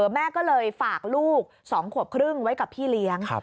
แม่ก็เลยฝากลูก๒ขวบครึ่งไว้กับพี่เลี้ยง